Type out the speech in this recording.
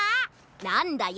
なんだよ！